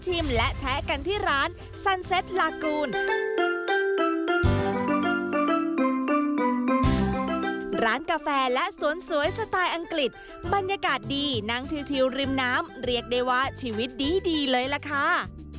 ร้านกาแฟและสวนสวยสไตล์อังกฤษบรรยากาศดีนั่งชิวริมน้ำเรียกได้ว่าชีวิตดีเลยล่ะค่ะ